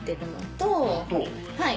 はい。